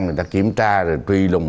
rồi truy lùng